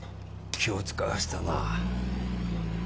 気を使わせたな。